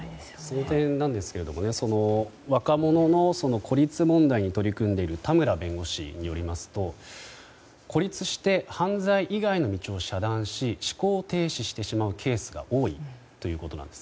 その点なんですけれども若者の孤立問題に取り組んでいる田村弁護士によりますと孤立して犯罪以外の道を遮断し思考を停止してしまうケースが多いということなんです。